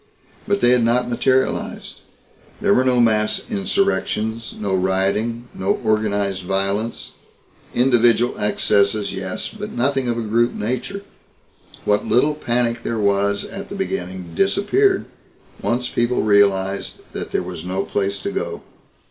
But they had not materialized. There were no mass insurrections, no rioting, no organized violence. Individual excesses, yes but nothing of a group nature. What little panic there was at the beginning disappeared once people realized that there was no place to go.